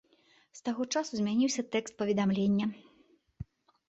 З таго часу змяніўся тэкст паведамлення.